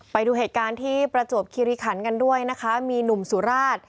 ไปดูเหตุการณ์ที่ประจวบคิริขันกันด้วยนะคะมีหนุ่มสุราช